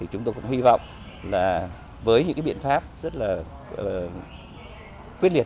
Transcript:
chúng tôi cũng hy vọng là với những biện pháp rất là quyết liệt